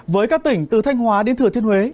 với các tỉnh từ thanh hóa đến thừa thiên huế